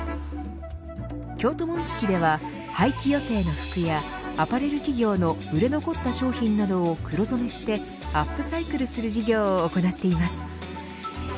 京都紋付では廃棄予定の服やアパレル企業の売れ残った商品などを黒染めしてアップサイクルする事業を行っています。